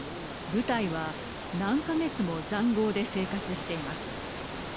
部隊は、何か月もざんごうで生活しています。